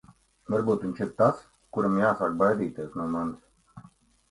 Varbūt viņš ir tas, kuram jāsāk baidīties... no manis.